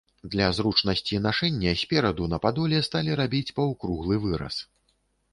Для зручнасці нашэння спераду на падоле сталі рабіць паўкруглы выраз.